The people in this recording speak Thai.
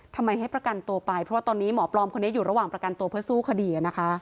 ทำไมให้ประกันตัวไปเพราะว่าตอนนี้หมอปลอมคนนี้อยู่ระหว่างประกันตัวเพื่อสู้คดีนะคะ